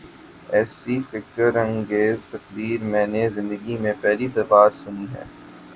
ایسی فکر انگیز تقریر میں نے زندگی میں پہلی بار سنی ہے۔